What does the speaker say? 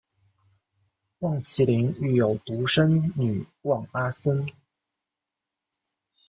望麒麟育有独生女望阿参。